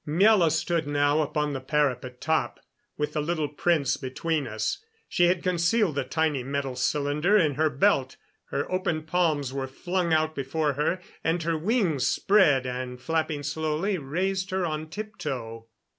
Miela stood now upon the parapet top, with the little prince between us. She had concealed the tiny metal cylinder in her belt; her open palms were flung out before her, and her wings, spread and flapping slowly, raised her on tiptoe.